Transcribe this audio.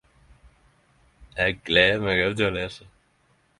Eg gler meg også til å lesa.